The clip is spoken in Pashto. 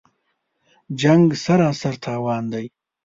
جـنګ سراسر تاوان دی